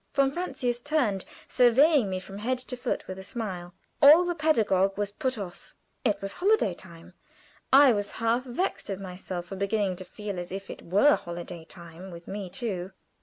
Von Francius turned, surveying me from head to foot, with a smile. All the pedagogue was put off. It was holiday time. I was half vexed at myself for beginning to feel as if it were holiday time with me too.